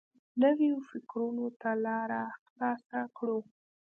نویو فکرونو ته لاره خلاصه کړو.